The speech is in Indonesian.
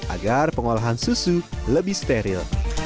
agar pengolahan susu lebih steril